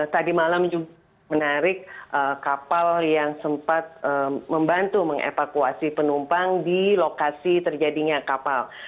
tadi malam juga menarik kapal yang sempat membantu mengevakuasi penumpang di lokasi terjadinya kapal